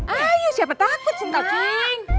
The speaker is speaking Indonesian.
ayo siapa takut sih entah cing